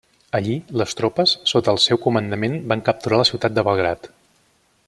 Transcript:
Allí, les tropes sota el seu comandament van capturar la ciutat de Belgrad.